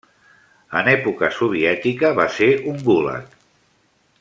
En època soviètica va ser un gulag.